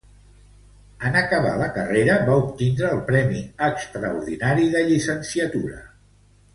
En acabar la carrera, va obtindre el Premi Extraordinari de Llicenciatura.